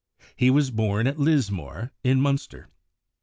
He was born at Lismore, in Munster.